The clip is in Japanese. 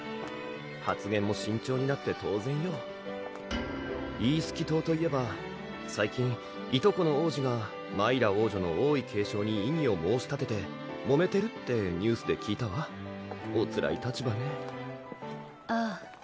発言も慎重になって当然よイースキ島といえば最近いとこの王子がマイラ王女の王位継承に異議を申し立ててもめてるってニュースで聞いたわおつらい立場ねああ